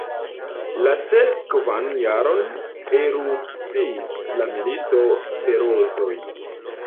La sekvan jaron erupciis la milito de rozoj.